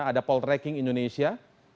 ada polreking indonesia